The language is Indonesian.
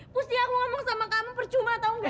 pasti aku ngomong sama kamu percuma tau gak